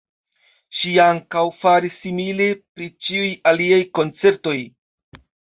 Ŝi ankaŭ faris simile pri ĉiuj aliaj koncertoj.